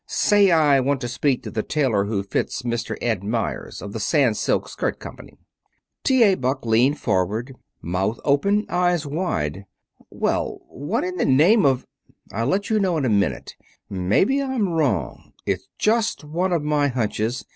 Say I want to speak to the tailor who fits Mr. Ed Meyers, of the Sans Silk Skirt Company." T. A. Buck leaned forward, mouth open, eyes wide. "Well, what in the name of " "I'll let you know in a minute. Maybe I'm wrong. It's just one of my hunches.